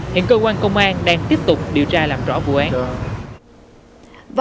hiện cơ quan công an đang tiếp tục điều tra làm rõ vụ án